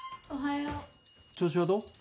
調子はどう？